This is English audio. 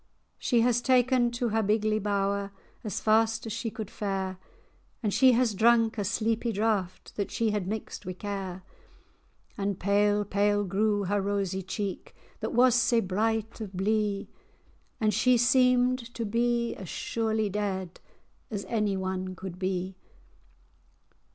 She has ta'en her to her bigly bower As fast as she could fare; And she has drank a sleepy draught, That she had mixed wi' care. And pale, pale grew her rosy cheek, That was sae bright of blee,[#] And she seemed to be as surely dead As any one could be.